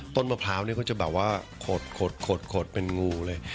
มะพร้าวเนี่ยเขาจะแบบว่าขดเป็นงูเลย